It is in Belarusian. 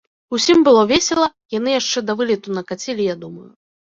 Усім было весела, яны яшчэ да вылету накацілі, я думаю.